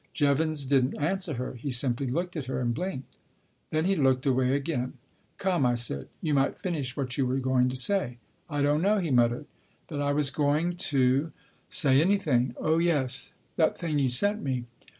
Jevons didn't answer her. He simply looked at her and blinked. Then he looked away again. " Come," I said, " you might finish what you were going to say." " I don't know," he muttered, " that I was going to 26 Tasker Jevons say anything Oh yes that thing you sent me.